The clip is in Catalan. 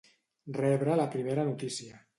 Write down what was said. Rebre la primera notícia.